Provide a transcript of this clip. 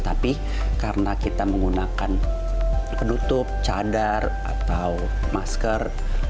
tapi karena kita menggunakan penutup cadar atau masker